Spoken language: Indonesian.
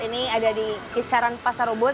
ini ada di kisaran pasar ubud